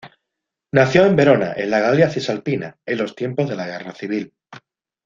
Nació en Verona, en la Galia Cisalpina, en los tiempos de la Guerra Civil.